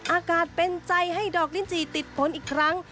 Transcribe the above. อากาศเป็นใจให้ดอกลิ้นจีติดผลอีกครั้ง